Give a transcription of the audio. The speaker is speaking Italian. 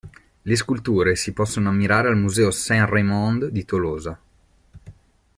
Le sculture si possono ammirare al museo Saint-Raymond di Tolosa.